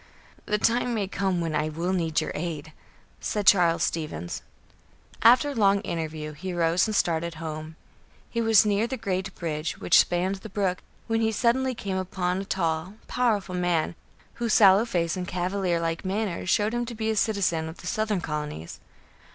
"The time may come when I will need your aid," said Charles Stevens. After a long interview, he rose and started home. He was near the great bridge which spanned the brook, when he suddenly came upon a tall, powerful man, whose sallow face and cavalier like manner showed him to be a citizen of the southern colonies.